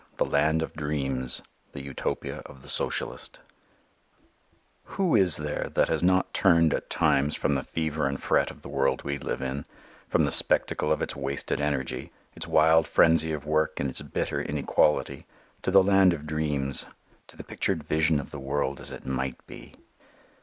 V. The Land of Dreams: The Utopia of the Socialist WHO is there that has not turned at times from the fever and fret of the world we live in, from the spectacle of its wasted energy, its wild frenzy of work and its bitter inequality, to the land of dreams, to the pictured vision of the world as it might be?